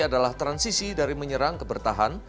adalah transisi dari menyerang ke bertahan